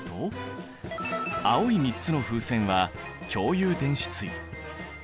青い３つの風船は共有電子対。